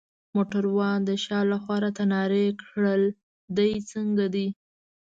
موټروان د شا لخوا راته نارې کړل: دی څنګه دی؟